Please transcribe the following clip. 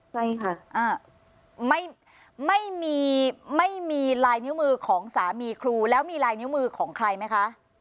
ใช่ค่ะไม่มีไม่มีลายนิ้วมือของสามีครูแล้วมีลายนิ้วมือของใครไหมคะ